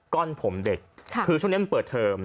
ก้อนผมเด็กคือช่วงนี้มันเปิดเทอม